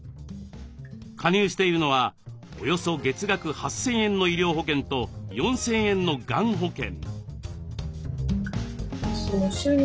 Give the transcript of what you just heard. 加入しているのはおよそ月額８，０００円の医療保険と４，０００円のがん保険。